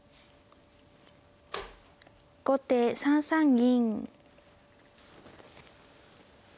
後手３三銀。